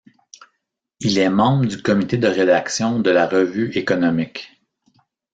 Il est membre du comité de rédaction de la Revue Économique.